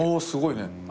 すごいね。